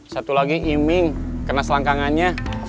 satu lagi iming kena selangkangannya